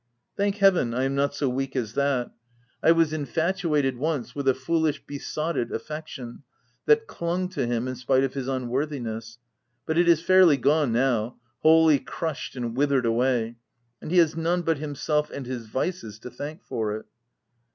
Thank heaven, I am not so weak as that ! I was in OF WILDFELL HALL. 353 fatuated once, with a foolish, besotted affection, that clung to him in spite of his un worthiness, but it is fairly gone now — wholly crushed and withered away ; and he has none but himself and his vices to thank for it.